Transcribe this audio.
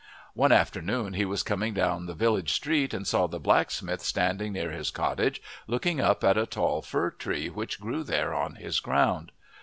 One afternoon he was coming down the village street and saw the blacksmith standing near his cottage looking up at a tall fir tree which grew there on his ground.